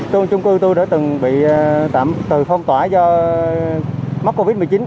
chung chung cư tôi đã từng bị tạm từ phong tỏa do mắc covid một mươi chín